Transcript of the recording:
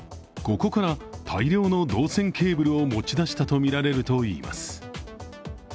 ここから大量の銅線ケーブルを持ち出したとみられるといいます。